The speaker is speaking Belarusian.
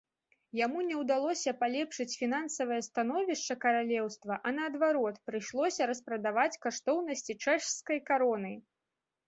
Яму не ўдалося палепшыць фінансавае становішча каралеўства, а наадварот, прыйшлося распрадаваць каштоўнасці чэшскай кароны.